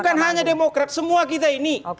bukan hanya demokrat semua kita ini